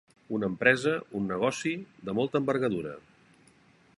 Una empresa, un negoci, de molta envergadura.